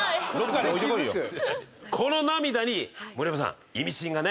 飯尾：この涙に、森山さんイミシンがね。